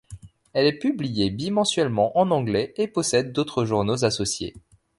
Elle est publiée bimensuellement en anglais et possède d'autres journaux associés.